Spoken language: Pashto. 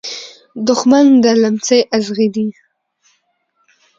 دښمن د لمڅی ازغي دی .